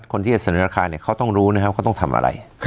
คนที่จะเสนอราคาเนี่ยเขาต้องรู้นะครับเขาต้องทำอะไร